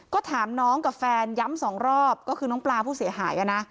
ก็ถามน้องกับแฟนย้ำสองรอบก็คือน้องปลาผู้เสียหายนะ